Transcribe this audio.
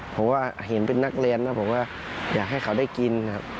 ผมว่าเห็นเป็นนักเรียนนะผมว่าอยากให้เขาได้กินครับ